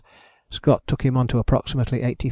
Scott took him on to approximately 83° 35´.